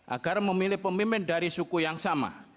agar memilih pemimpin dari suku yang sama